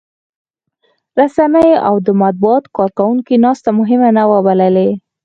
رسنيو او د مطبوعاتو کارکوونکو ناسته مهمه نه وه بللې.